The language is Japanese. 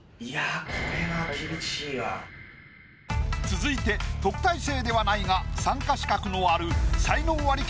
・続いて特待生ではないが参加資格のある才能アリ